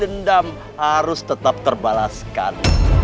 dendam harus tetap terbalaskan